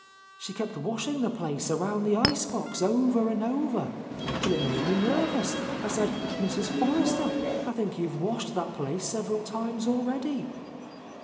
She kept washing the place around the ice box over and over, till it made me nervous. I said, 'Mrs. Forrester, I think you've washed that place several times already.